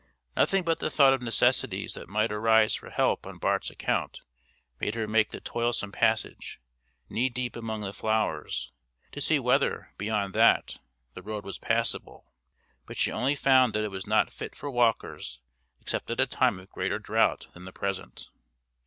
Nothing but the thought of necessities that might arise for help on Bart's account made her make the toilsome passage, knee deep among the flowers, to see whether, beyond that, the road was passable; but she only found that it was not fit for walkers except at a time of greater drought than the present.